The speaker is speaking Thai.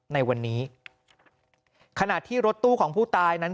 ในวันนี้ขณะที่รถตู้ของผู้ตายนั้น